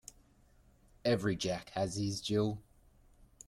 Every Jack has his Jill.